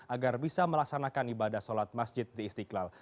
agar bisa melaksanakan ibadah sholat masjid di istiqlal